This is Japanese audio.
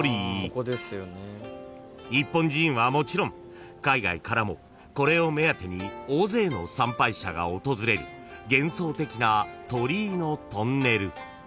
［日本人はもちろん海外からもこれを目当てに大勢の参拝者が訪れる幻想的な鳥居のトンネル］